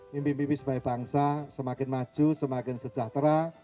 mimpi mimpi sebagai bangsa semakin maju semakin sejahtera